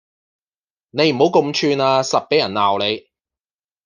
你唔好咁串呀實畀人鬧你